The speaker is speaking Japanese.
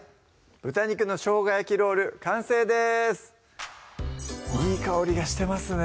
「豚肉の生姜焼きロール」完成ですいい香りがしてますね